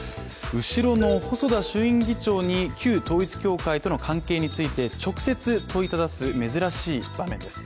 後ろの細田衆院議長に旧統一教会との関係について、直接問いただす珍しい場面です。